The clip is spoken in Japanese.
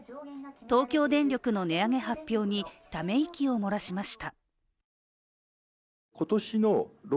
東京電力の値上げ発表に、ため息を漏らしました。